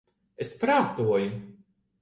Es prātoju...